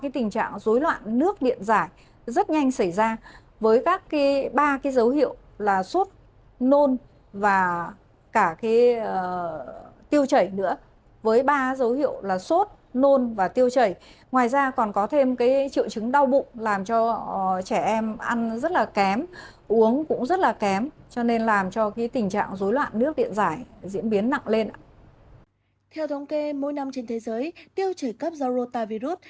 theo thống kê mỗi năm trên thế giới tiêu chảy cấp rô ta virus